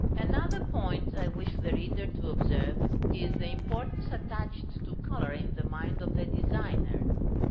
Another point I wish the reader to observe is, the importance attached to color in the mind of the designer.